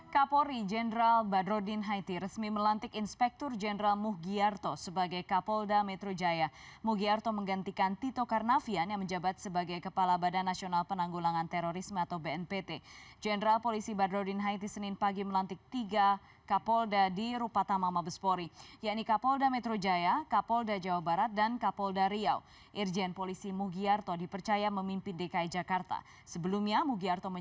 kapolda metrojaya kapolda jawa barat kapolda riau